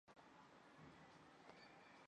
母亲是于大之方。